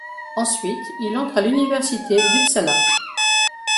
Ensuite, il entre à l'Université d'Uppsala.